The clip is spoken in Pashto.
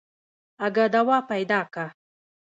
اگه دوا پيدا که.